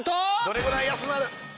どれぐらい安なる？